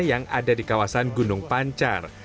yang ada di kawasan gunung pancar